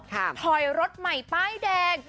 ถอยรถใหม่ป้ายแดง